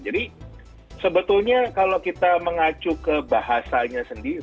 jadi sebetulnya kalau kita mengacu ke bahasanya sendiri